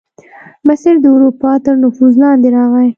مصر د اروپا تر نفوذ لاندې راغی.